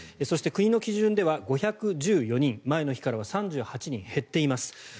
そして国の基準では５１４人前の日からは３８人減っています。